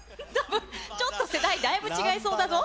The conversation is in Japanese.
ちょっと世代、だいぶ違いそうだぞ？